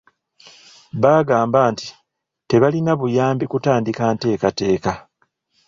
Baagamba nti tebaalina buyambi kutandika nteekateeka.